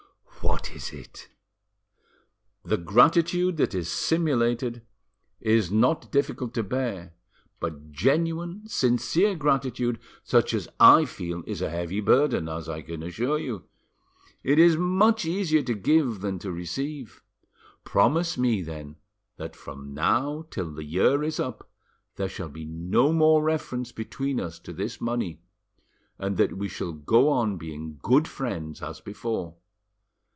"What is it?" "The gratitude that is simulated is not difficult to bear, but genuine, sincere gratitude, such as I feel, is a heavy burden, as I can assure you. It is much easier to give than to receive. Promise me, then, that from now till the year is up there shall be no more reference between us to this money, and that we shall go on being good friends as before.